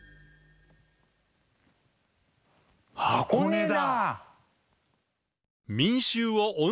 箱根だ！